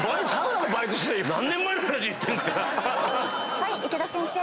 ⁉はい池田先生。